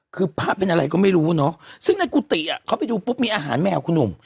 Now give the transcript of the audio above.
คือภาพเป็นอะไรก็ไม่รู้เนอะซึ่งในกุฏิอ่ะเขาไปดูปุ๊บมีอาหารแมวคุณหนุ่ม